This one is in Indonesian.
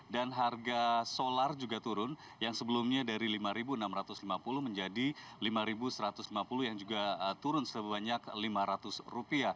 dan harga solar juga turun yang sebelumnya dari rp lima enam ratus lima puluh menjadi rp lima satu ratus lima puluh yang juga turun sebanyak rp lima ratus